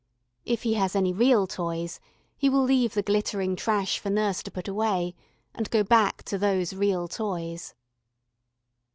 If he has any real toys, he will leave the glittering trash for nurse to put away and go back to those real toys.